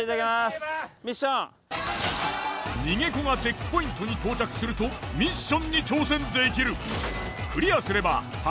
逃げ子がチェックポイントに到着するとミッションに挑戦できる。